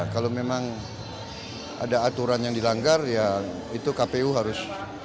kalau memang ada aturan yang dilanggar ya itu kpu harus